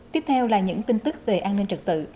tiếp theo là những tin tức về an ninh trật tự